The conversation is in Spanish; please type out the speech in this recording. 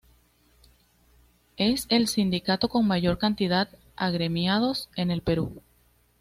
Es el Sindicato con mayor cantidad agremiados en el Perú.